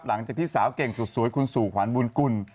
หลังจากที่สาวเก่งสุดสวยคุณสู่ขวัญบุญกุล